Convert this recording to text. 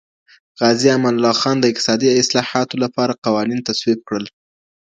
غازي امان الله خان د اقتصادي اصلاحاتو لپاره قوانین تصویب کړل.